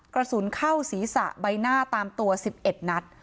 กระสุนเข้าศีรษะใบหน้าตามตัว๑๑นัด